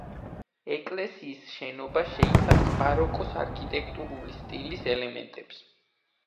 ეკლესიის შენობა შეიცავს ბაროკოს არქიტექტურული სტილის ელემენტებს.